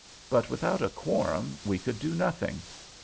But without a quorum we could do nothing.